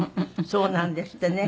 そうなんですってね。